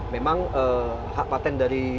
memang hak patent dari